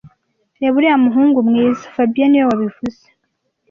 Reba uriya muhungu mwiza fabien niwe wabivuze